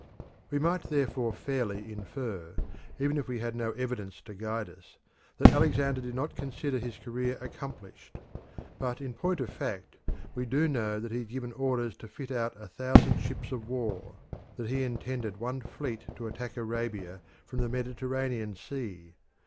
We might therefore fairly infer, even if we had no evidence to guide us, that Alexander did not consider his career accomplished. But in point of fact we do know that he had given orders to fit out a thousand ships of war; that he intended one fleet to attack Arabia from the Mediterranean Sea.